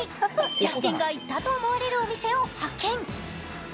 ジャスティンが行ったと思われるお店を発見。